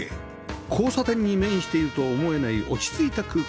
交差点に面しているとは思えない落ち着いた空間